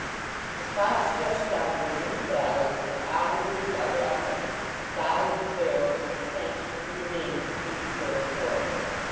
The spot stretched downward into valleys, and onward to other uplands, dotted with barrows, and trenched with the remains of prehistoric forts.